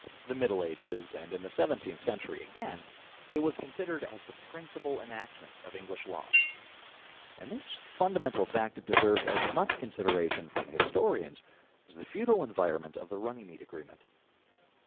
39 the Middle Ages and in the seventeenth century again it was considered as the principal enactment of English law, and this fundamental fact deserves as much con sideration from historians as the feudal environment of the Runnymede agreement.